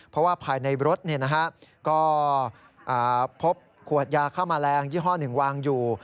เพราะว่าภายในรถก็พบขวดยาฆ่าแมลงยี่ห้อหนึ่งวางอยู่